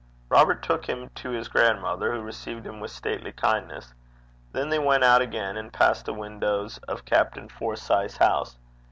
Robert took him to his grandmother, who received him with stately kindness. Then they went out again, and passed the windows of Captain Forsyth's house.